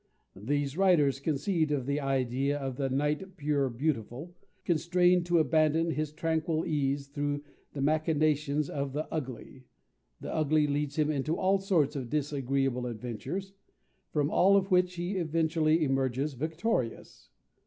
These writers conceived of the Idea as the Knight Purebeautiful, constrained to abandon his tranquil ease through the machinations of the Ugly; the Ugly leads him into all sorts of disagreeable adventures, from all of which he eventually emerges victorious.